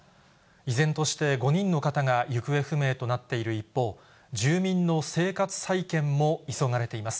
依然として５人の方が行方不明となっている一方、住民の生活再建も急がれています。